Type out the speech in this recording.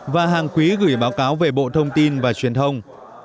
và hàng quý gửi báo cáo về bộ thông tin và truyền thông